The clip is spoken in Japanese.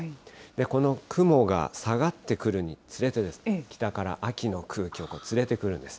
この雲が下がってくるにつれて、北から秋の空気を連れてくるんです。